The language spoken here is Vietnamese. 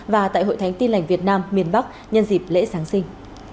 và tại hội thánh tin lạnh việt nam miền bắc nhân dịp lễ sáng sinh